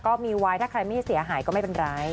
ก็มีไว้ถ้าใครไม่เสียหายก็ไม่เป็นไร